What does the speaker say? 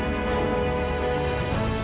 mereka bisa melihat keadaan mereka sendiri